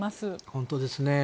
本当ですね。